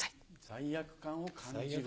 罪悪感を感じる。